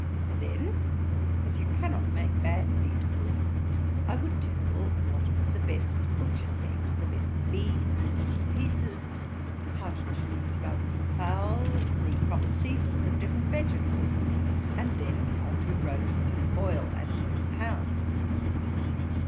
Then as you cannot make bad meat good, I would tell what is the best butcher's meat, the best beef, the best pieces; how to choose young fowls; the proper seasons of different vegetables; and then how to roast and boil, and compound.'